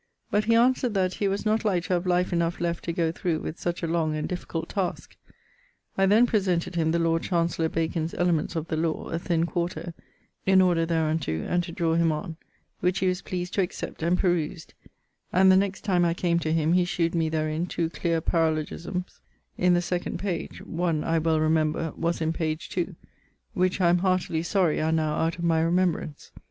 But he answered that he was not like to have life enough left to goe through with such a long and difficult taske. I then presented him the lord chancellor Bacon's Elements of the Lawe (a thin quarto), in order therunto and to drawe him on; which he was pleased to accept, and perused; and the next time I came to him he shewed me therin two cleare paralogismes in the 2nd page (one, I well remember, was in page 2), which I am heartily sory are now out of my remembrance.